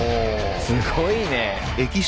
すごいね。